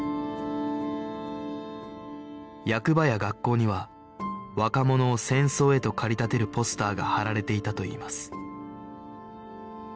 役場や学校には若者を戦争へと駆り立てるポスターが貼られていたといいます